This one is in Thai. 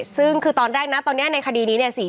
ซึ่งคือตอนแรกนะตอนนี้ในคดีนี้เนี่ย